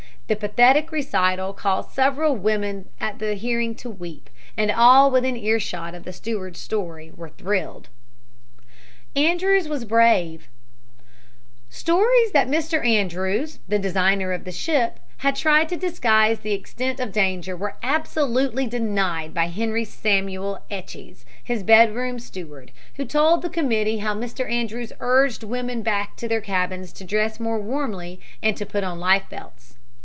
The pathetic recital caused several women at the hearing to weep, and all within earshot of the steward's story were thrilled. ANDREWS WAS BRAVE Stories that Mr. Andrews, the designer of the ship, had tried to disguise the extent of danger were absolutely denied by Henry Samuel Etches, his bedroom steward, who told the committee how Mr. Andrews urged women back to their cabins to dress more warmly and to put on life belts.